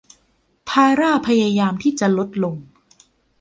ธาร่าพยายามที่จะลดลง